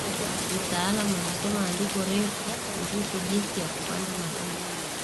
mtalamu anasoma andiko refu kuhusu jinsi ya kupanda mahindi